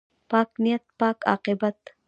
پاک نیت، پاک عاقبت.